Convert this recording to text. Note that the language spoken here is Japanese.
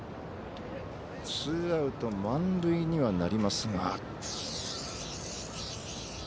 ツーアウト、満塁にはなりますが。